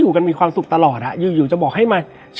และวันนี้แขกรับเชิญที่จะมาเชิญที่เรา